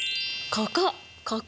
ここ！